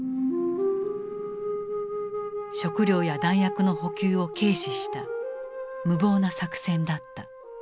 食糧や弾薬の補給を軽視した無謀な作戦だった。